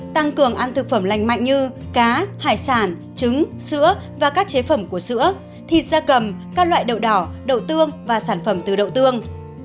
tăng cường ăn thực phẩm lành mạnh như cá hải sản trứng sữa và các chế phẩm của sữa thịt da cầm các loại đậu đỏ đậu tương và sản phẩm từ đậu tương